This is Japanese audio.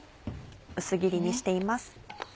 薄切りにしています。